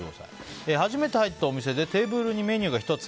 初めて入ったお店でテーブルにメニューが１つ。